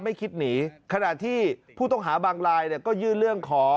ไม่คิดหนีขนาดที่ผู้ต้องหาบางรายก็ยืนเรื่องขอ